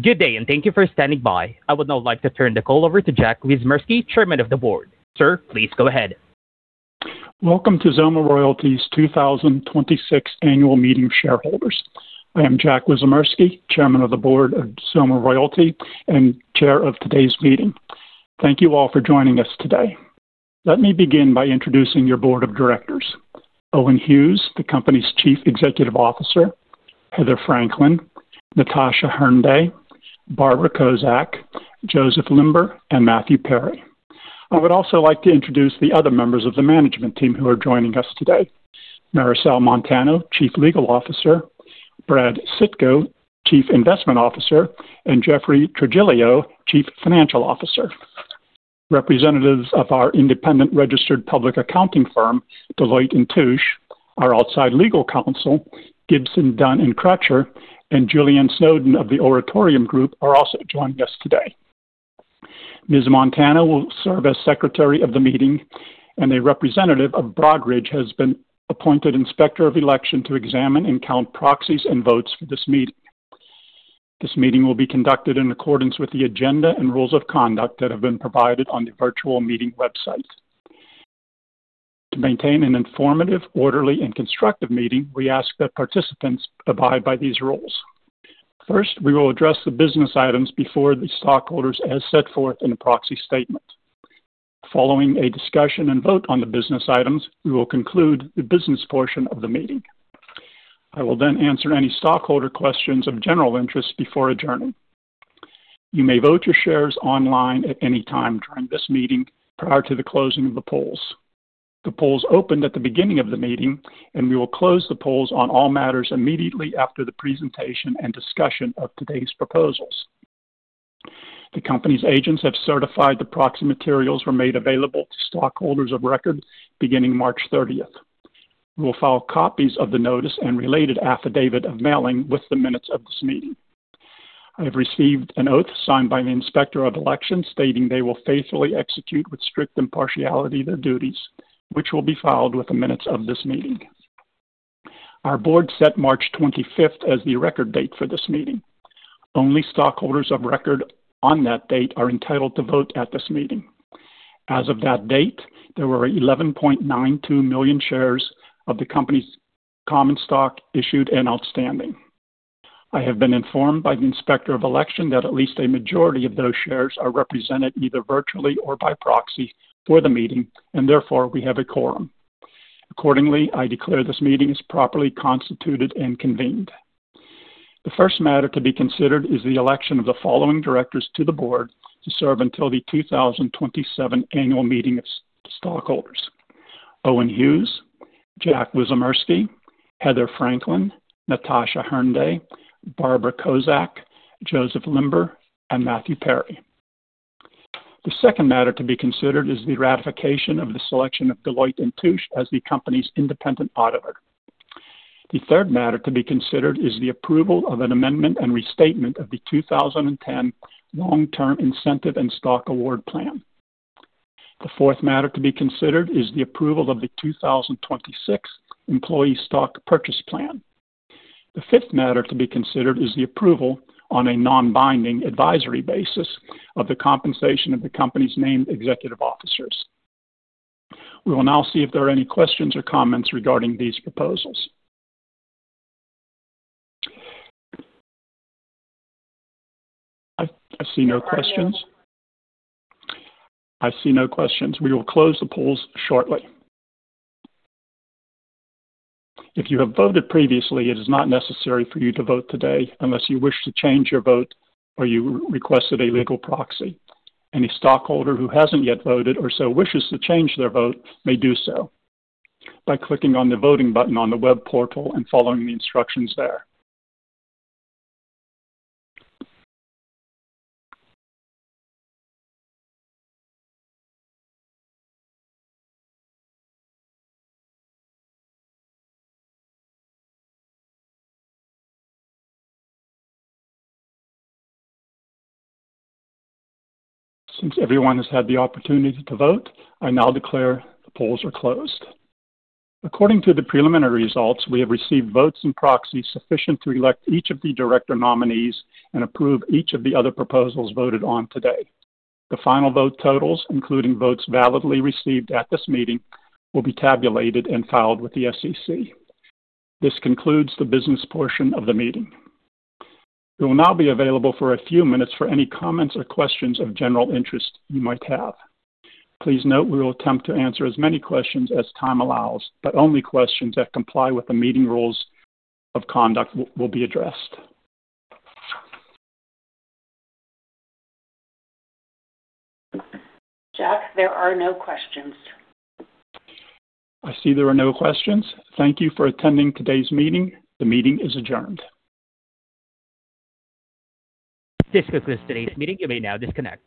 Good day, and thank you for standing by. I would now like to turn the call over to Jack Wyszomierski, Chairman of the Board. Sir, please go ahead. Welcome to XOMA Royalty's 2026 annual meeting of shareholders. I am Jack Wyszomierski, Chairman of the Board of XOMA Royalty and chair of today's meeting. Thank you all for joining us today. Let me begin by introducing your board of directors. Owen Hughes, the company's Chief Executive Officer, Heather Franklin, Natasha Hernday, Barbara Kosacz, Joseph Limber, and Matthew Perry. I would also like to introduce the other members of the management team who are joining us today. Maricel Montano, Chief Legal Officer, Brad Sitko, Chief Investment Officer, and Jeffrey Trigilio, Chief Financial Officer. Representatives of our independent registered public accounting firm, Deloitte & Touche, our outside legal counsel, Gibson, Dunn & Crutcher, and Juliane Snowden of the Oratorium Group are also joining us today. Ms. Montano will serve as secretary of the meeting, and a representative of Broadridge has been appointed inspector of election to examine and count proxies and votes for this meeting. This meeting will be conducted in accordance with the agenda and rules of conduct that have been provided on the virtual meeting website. To maintain an informative, orderly and constructive meeting, we ask that participants abide by these rules. First, we will address the business items before the stockholders as set forth in the proxy statement. Following a discussion and vote on the business items, we will conclude the business portion of the meeting. I will then answer any stockholder questions of general interest before adjourning. You may vote your shares online at any time during this meeting prior to the closing of the polls. The polls opened at the beginning of the meeting, and we will close the polls on all matters immediately after the presentation and discussion of today's proposals. The company's agents have certified the proxy materials were made available to stockholders of record beginning March 30th. We'll file copies of the notice and related affidavit of mailing with the minutes of this meeting. I have received an oath signed by the Inspector of Election stating they will faithfully execute with strict impartiality their duties, which will be filed with the minutes of this meeting. Our board set March 25th as the record date for this meeting. Only stockholders of record on that date are entitled to vote at this meeting. As of that date, there were 11.92 million shares of the company's common stock issued and outstanding. I have been informed by the Inspector of Election that at least a majority of those shares are represented either virtually or by proxy for the meeting, and therefore, we have a quorum. Accordingly, I declare this meeting is properly constituted and convened. The first matter to be considered is the election of the following directors to the board to serve until the 2027 annual meeting of stockholders. Owen Hughes, Jack Wyszomierski, Heather Franklin, Natasha Hernday, Barbara Kosacz, Joseph Limber, and Matthew Perry. The second matter to be considered is the ratification of the selection of Deloitte & Touche as the company's independent auditor. The third matter to be considered is the approval of an amendment and restatement of the 2010 Long Term Incentive and Stock Award Plan. The fourth matter to be considered is the approval of the 2026 Employee Stock Purchase Plan. The fifth matter to be considered is the approval on a non-binding advisory basis of the compensation of the company's named executive officers. We will now see if there are any questions or comments regarding these proposals. I see no questions. I see no questions. We will close the polls shortly. If you have voted previously, it is not necessary for you to vote today unless you wish to change your vote or you requested a legal proxy. Any stockholder who hasn't yet voted or so wishes to change their vote may do so by clicking on the voting button on the web portal and following the instructions there. Since everyone has had the opportunity to vote, I now declare the polls are closed. According to the preliminary results, we have received votes and proxies sufficient to elect each of the director nominees and approve each of the other proposals voted on today. The final vote totals, including votes validly received at this meeting, will be tabulated and filed with the SEC. This concludes the business portion of the meeting. We will now be available for a few minutes for any comments or questions of general interest you might have. Please note we will attempt to answer as many questions as time allows, but only questions that comply with the meeting rules of conduct will be addressed. Jack, there are no questions. I see there are no questions. Thank you for attending today's meeting. The meeting is adjourned. This concludes today's meeting. You may now disconnect.